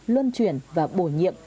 luân chuyển và bổ nhiệm